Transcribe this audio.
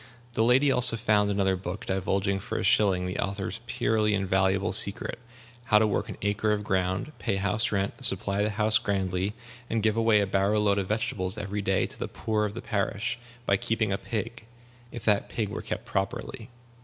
The lady also found another book, divulging for a shilling the author's purely invaluable secret how to work an acre of ground, pay house rent, supply the house grandly, and give away a barrow load of vegetables every day to the poor of the parish, by keeping a pig if that pig were kept properly.